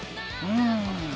うん。